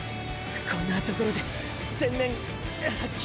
こんなところで天然発揮。